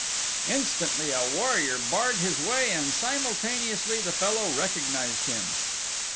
Instantly a warrior barred his way and simultaneously the fellow recognized him.